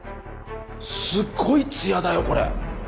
すっごいつやだよこれ。